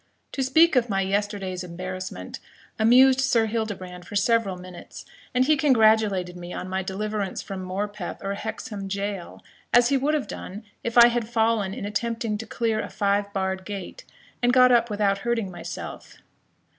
To speak of my yesterday's embarrassment amused Sir Hildebrand for several minutes, and he congratulated me on my deliverance from Morpeth or Hexham jail, as he would have done if I had fallen in attempting to clear a five barred gate, and got up without hurting myself.